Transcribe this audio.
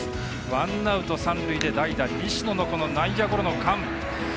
ワンアウト、三塁で代打西野のこの内野ゴロ。